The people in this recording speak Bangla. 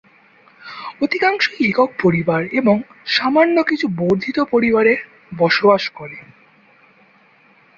অধিকাংশই একক পরিবার এবং সামান্য কিছু বর্ধিত পরিবারে বসবাস করে।